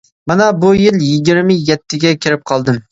مانا بۇ يىل يىگىرمە يەتتىگە كىرىپ قالدى.